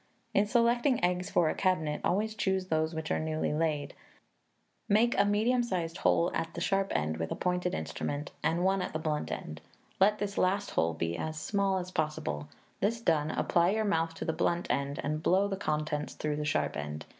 In selecting eggs for a cabinet, always choose those which are newly laid; make a medium sized hole at the sharp end with a pointed instrument, and one at the blunt end: let this last hole be as small as possible; this done, apply your mouth to the blunt end, and blow the contents through the sharp end.